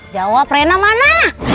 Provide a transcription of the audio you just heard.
jawab rena mana